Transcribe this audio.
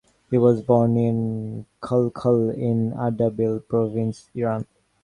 He was born in Khalkhal in Ardabil province, Iran.